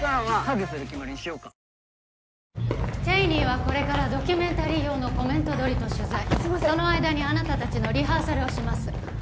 ＣＨＡＹＮＥＹはこれからドキュメンタリー用のコメント撮りと取材その間にあなたたちのリハーサルをします